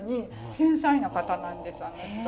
繊細な方なんですあの人。